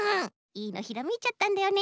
いいのひらめいちゃったんだよね。